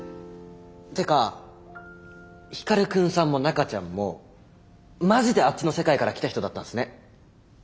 てか光くんさんも中ちゃんもマジであっちの世界から来た人だったんすね。